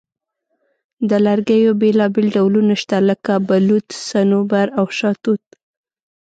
د لرګیو بیلابیل ډولونه شته، لکه بلوط، صنوبر، او شاهتوت.